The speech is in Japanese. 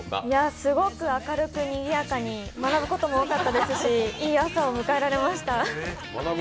すごく明るく賑やかに学ぶことも多かったですし、いい朝を迎えられました。